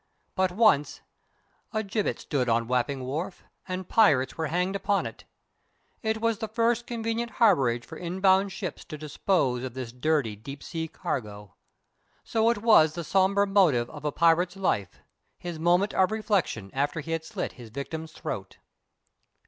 But once a gibbet stood on Wapping Wharf, and pirates were hanged upon it. It was the first convenient harborage for inbound ships to dispose of this dirty deep sea cargo. So it was the somber motif of a pirate's life his moment of reflection after he had slit his victim's throat.